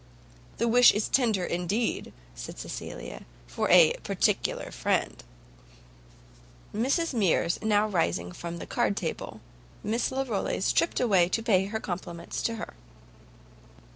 "The wish is tender, indeed," said Cecilia, "for a particular friend." Mrs Mears now rising from the card table, Miss Larolles tript away to pay her compliments to her.